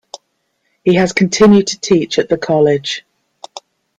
He has continued to teach at the college.